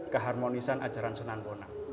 keharmonisan ajaran sunan bona